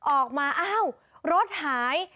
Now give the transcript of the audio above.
ออกมาอ้าวรถหาย